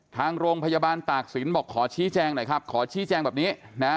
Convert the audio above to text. ทางโรงพยาบาลตากศิลป์บอกขอชี้แจงหน่อยครับขอชี้แจงแบบนี้นะ